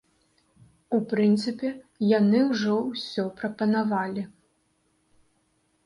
У прынцыпе, яны ўжо ўсё прапанавалі.